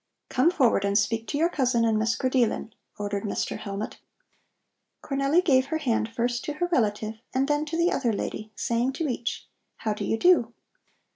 "Come forward and speak to your cousin and to Miss Grideelen!" ordered Mr. Hellmut. Cornelli gave her hand first to her relative and then to the other lady, saying to each: "How do you do?"